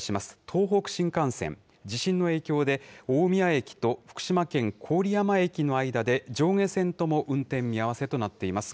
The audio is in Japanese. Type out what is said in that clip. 東北新幹線、地震の影響で、大宮駅と福島県郡山駅の間で、上下線とも運転見合わせとなっています。